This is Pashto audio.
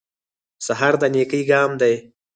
سهار د نېکۍ ګام دی.